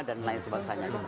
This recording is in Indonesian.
dan lain sebagainya